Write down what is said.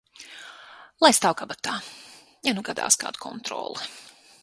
Lai stāv kabatā, ja nu gadās kāda kontrole.